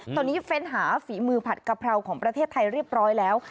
ตอนนี้เฟ้นหาฝีมือผัดกะเพราของประเทศไทยเรียบร้อยแล้ว